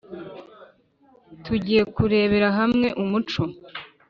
Tugiye kurebera hamwe umuco